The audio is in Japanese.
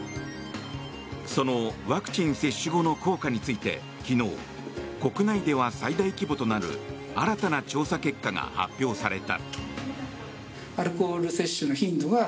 そのワクチン接種後の効果について昨日、国内では最大規模となる新たな調査結果が発表された。